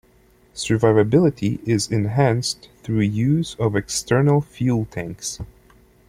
Survivability is enhanced through use of external fuel tanks.